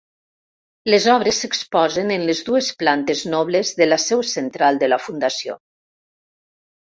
Les obres s'exposen en les dues plantes nobles de la seu central de la Fundació.